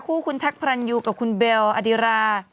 คู่คุณทัคพระรันยุกับคุณเบลล์อดิระ